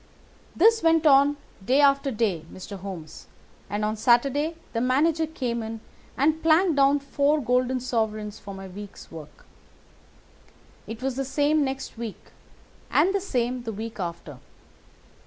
"This went on day after day, Mr. Holmes, and on Saturday the manager came in and planked down four golden sovereigns for my week's work. It was the same next week, and the same the week after.